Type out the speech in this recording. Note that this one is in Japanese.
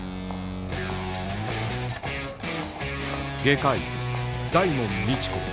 外科医大門未知子